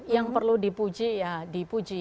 yang perlu dipuji ya dipuji